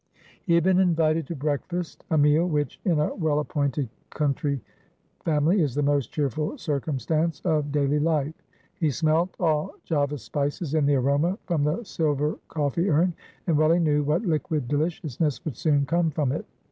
He had been invited to breakfast; a meal, which, in a well appointed country family, is the most cheerful circumstance of daily life; he smelt all Java's spices in the aroma from the silver coffee urn; and well he knew, what liquid deliciousness would soon come from it.